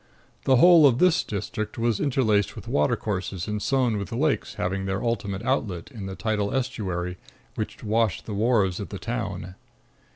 The whole of this district was interlaced with watercourses and sown with lakes having their ultimate outlet in the tidal estuary which washed the wharves of the town.